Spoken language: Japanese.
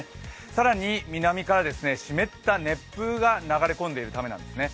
更に、南から湿った熱風が流れ込んでいるためなんですね。